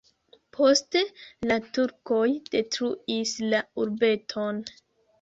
Poste la turkoj detruis la urbeton.